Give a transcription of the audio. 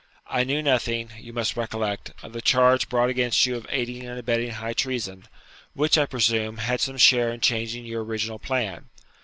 I knew nothing, you must recollect, of the charge brought against you of aiding and abetting high treason, which, I presume, had some share in changing your original plan.